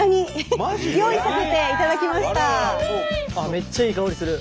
めっちゃいい香りする。